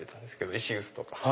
石臼とか。